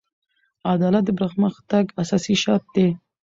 عدالت د پرمختګ اساسي شرط دی.